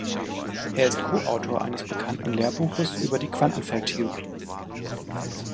Er ist Koautor eines bekannten Lehrbuches über die Quantenfeldtheorie.